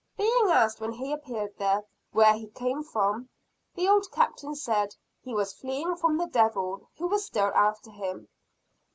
Being asked when he appeared there, "Where he came from?" the old captain said "he was fleeing from the devil who was still after him."